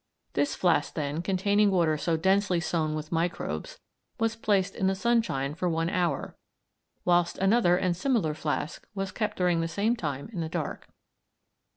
This flask then, containing water so densely sown with microbes, was placed in the sunshine for one hour, whilst another and similar flask was kept during the same time in the dark.